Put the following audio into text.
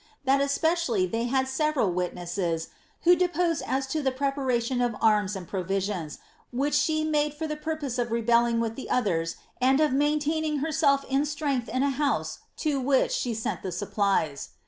That especially they liad several wit De»$ess who deposed as to the preparation of arms and provisions, which phe made f«>r the purpose of rebelling with the others, and of maintain iDf herself in strength in a house to whicli she sent the supplies."